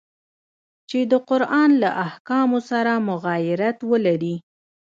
چي د قرآن له احکامو سره مغایرت ولري.